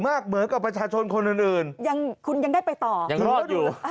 เหมือนกับประชาชนคนอื่นอื่นยังคุณยังได้ไปต่อยังรู้แล้วอยู่